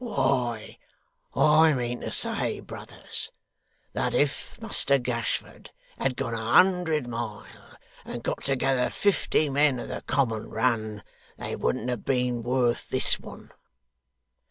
Why, I mean to say, brothers, that if Muster Gashford had gone a hundred mile and got together fifty men of the common run, they wouldn't have been worth this one.